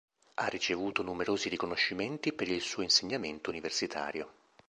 Ha ricevuto numerosi riconoscimenti per il suo insegnamento universitario.